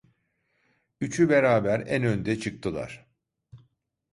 Üçü beraber en önde çıktılar.